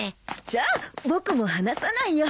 じゃ僕も話さないよ。